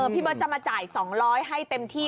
พี่เบิร์ตจะมาจ่าย๒๐๐ให้เต็มที่